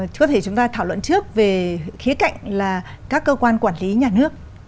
có thể chúng ta thảo luận trước về khía cạnh là các cơ quan quản lý nhà nước